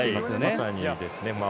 まさにですね。